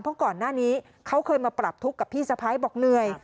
เพราะก่อนหน้านี้เขาเคยมาปรับทุกข์กับพี่สะพ้ายบอกเหนื่อย